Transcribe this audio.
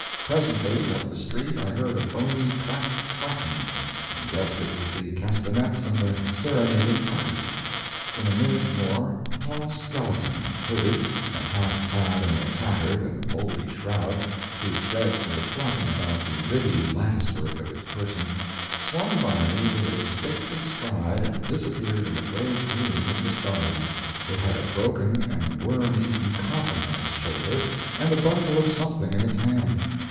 Presently up the street I heard a bony clack clacking, and guessed it was the castanets of a serenading party. In a minute more a tall skeleton, hooded, and half clad in a tattered and moldy shroud, whose shreds were flapping about the ribby latticework of its person, swung by me with a stately stride and disappeared in the gray gloom of the starlight. It had a broken and worm eaten coffin on its shoulder and a bundle of something in its hand.